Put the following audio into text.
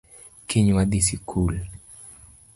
Kiny wadhii sikul